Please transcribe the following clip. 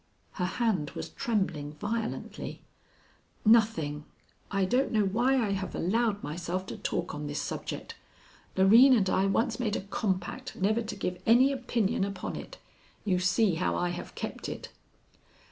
Her hand was trembling violently. "Nothing. I don't know why I have allowed myself to talk on this subject. Loreen and I once made a compact never to give any opinion upon it. You see how I have kept it."